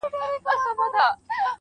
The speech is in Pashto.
لږه توده سومه زه.